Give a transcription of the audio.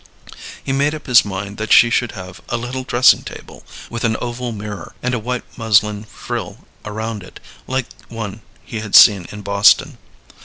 He made up his mind that she should have a little dressing table, with an oval mirror, and a white muslin frill around it, like one he had seen in Boston.